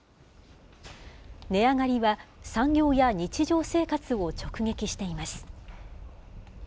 値上がりは、産業や日常生活を直撃しています。